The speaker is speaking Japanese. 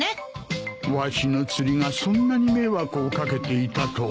わしの釣りがそんなに迷惑を掛けていたとは。